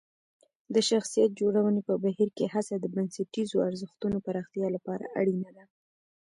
د شخصیت جوړونې په بهیر کې هڅه د بنسټیزو ارزښتونو پراختیا لپاره اړینه ده.